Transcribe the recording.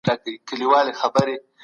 ایا ټولنیز علوم د راتلونکي اټکل کولای سي؟